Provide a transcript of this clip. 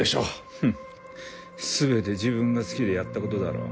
フッ全て自分が好きでやったことだろう？